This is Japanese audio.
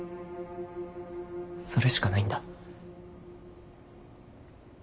それしかないんだ。